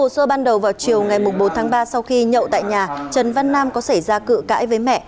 sau khi nhậu tại nhà trần văn nam có xảy ra cự cãi với mẹ